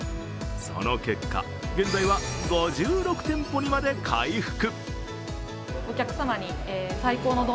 その結果、現在は５６店舗にまで回復。